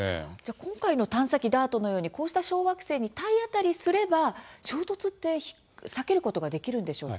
今回の探査機ＤＡＲＴのように、こうした小惑星に体当たりすれば衝突は避けることができるんでしょうか。